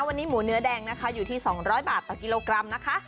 วันนี้หมูเนื้อแดงนะคะอยู่ที่๒๐๐บาทต่อกิโลกรัมนะคะ